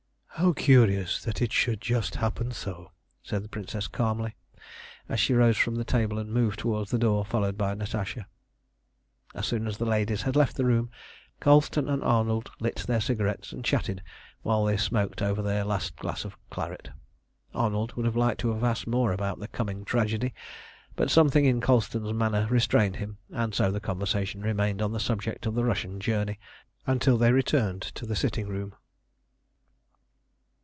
"How curious that it should just happen so!" said the Princess calmly, as she rose from the table and moved towards the door followed by Natasha. As soon as the ladies had left the room, Colston and Arnold lit their cigarettes and chatted while they smoked over their last glass of claret. Arnold would have liked to have asked more about the coming tragedy, but something in Colston's manner restrained him; and so the conversation remained on the subject of the Russian journey until they returned to the sitting room.